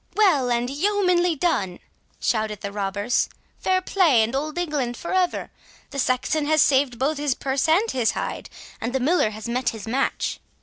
"Well and yeomanly done!" shouted the robbers; "fair play and Old England for ever! The Saxon hath saved both his purse and his hide, and the Miller has met his match."